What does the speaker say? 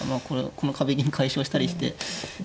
この壁銀解消したりして。